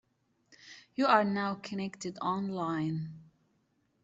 You are now connected online.